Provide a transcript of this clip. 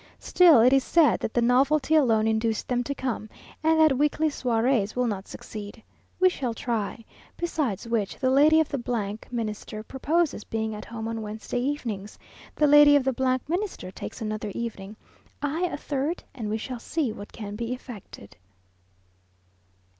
Still it is said that the novelty alone induced them to come, and that weekly soirées will not succeed. We shall try. Besides which, the Lady of the Minister proposes being At Home on Wednesday evenings; the Lady of the Minister takes another evening; I, a third, and we shall see what can be effected.